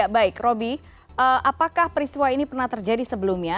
baik roby apakah peristiwa ini pernah terjadi sebelumnya